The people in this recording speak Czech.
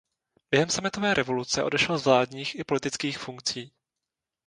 Během sametové revoluce odešel z vládních i politických funkcí.